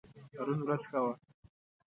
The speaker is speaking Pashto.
پرون ورځ ښه وه